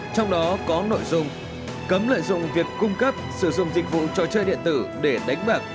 trong đó có nội dung cấm lợi dụng việc cung cấp sử dụng dịch vụ trò chơi điện tử để đánh bạc